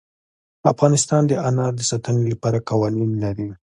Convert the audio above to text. افغانستان د انار د ساتنې لپاره قوانین لري.